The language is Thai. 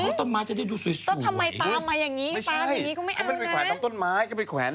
หวังต้นไม้จะได้ดูสวยสวย